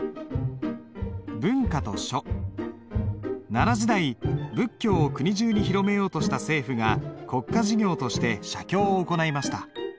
奈良時代仏教を国中に広めようとした政府が国家事業として写経を行いました。